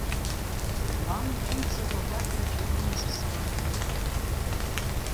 Вано ҿымҭӡакәа акәакьҭаҿы игылаз асқам днықәтәеит.